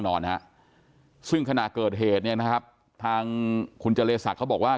นอนฮะซึ่งขณะเกิดเหตุเนี่ยนะครับทางคุณเจรศักดิ์เขาบอกว่า